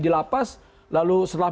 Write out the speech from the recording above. di lapas lalu setelah